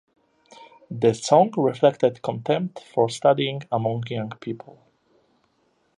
The song reflected contempt for studying among young people.